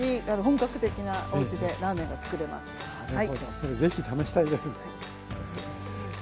それぜひ試したいです。